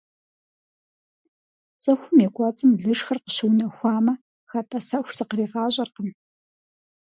ЦӀыхум и кӀуэцӀым лышхыр къыщыунэхуамэ, хэтӀэсэху зыкъригъащӀэркъым.